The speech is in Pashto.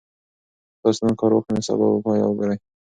که تاسي نن کار وکړئ نو سبا به پایله وګورئ.